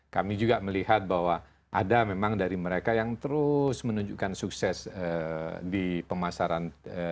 kami juga melihat bahwa ada memang dari mereka yang terus menunjukkan sukses di pemasaran